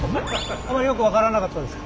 よく分からなかったですか？